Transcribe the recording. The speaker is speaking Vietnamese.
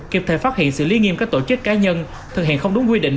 kịp thời phát hiện xử lý nghiêm các tổ chức cá nhân thực hiện không đúng quy định